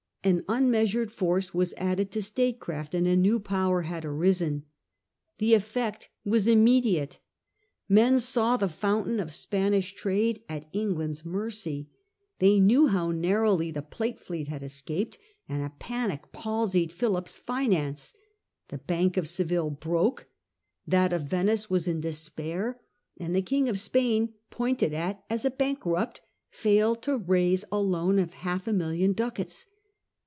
An unmeasured force was added to statecraft, and a new power had arisen. The effect was immediate. Men saw the fountain of Spanish trade at England's mercy; they knew how narrowly the Plate fleet had escaped, and a panic palsied PhiUp's finance. The Bank of Seville broke; that of Venice was in despair ; and the Eang of Spain, pointed at as a bank rupt, failed to raise a loan of half a million ducats.